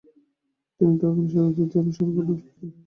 তিনি তার খালার সাথে ধোদিয়াল, সরগোডায় থাকতেন।